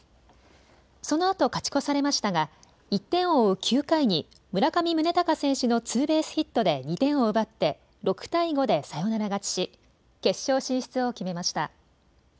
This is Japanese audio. そのあと勝ち越されましたが１点を追う９回に村上宗隆選手のツーベースヒットで２点を奪って６対５でサヨナラ勝ちし決勝進出を決めました。